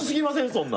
そんな。